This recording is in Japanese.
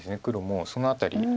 黒もその辺り。